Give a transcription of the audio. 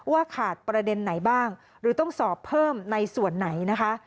ว่าขาดประเด็นไหนบ้างหรือต้องสอบเพิ่มในส่วนไหนนะคะ